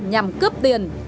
nhằm cướp tiền